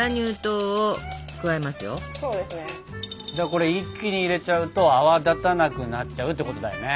これ一気に入れちゃうと泡立たなくなっちゃうってことだよね。